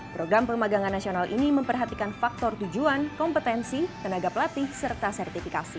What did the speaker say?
program pemagangan nasional ini memperhatikan faktor tujuan kompetensi tenaga pelatih serta sertifikasi